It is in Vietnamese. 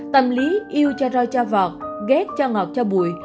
tâm lý yêu cho roi cho vọt ghét cho ngọt cho bụi